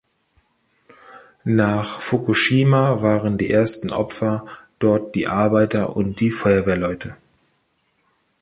Nach Fukushima waren die ersten Opfer dort die Arbeiter und die Feuerwehrleute.